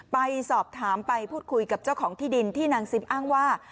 ไปสอบถามไปพูดคุยกับเจ้าของที่ดินที่นางซิมอ้างว่า